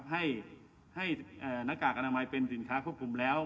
ให้หน้ากากอนามัยเป็นสินค้าควบคุมแล้ว